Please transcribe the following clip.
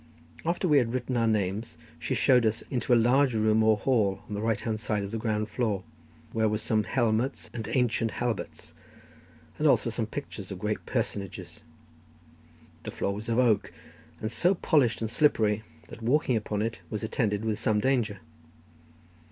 After we had written our names, she showed us into a large room or hall on the right hand side on the ground floor, where were some helmets and ancient halberts, and also some pictures of great personages. The floor was of oak, and so polished and slippery that walking upon it was attended with some danger.